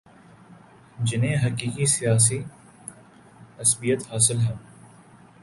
جنہیں حقیقی سیاسی عصبیت حاصل ہے